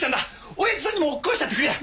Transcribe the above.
おやじさんにも食わしてやってくれや。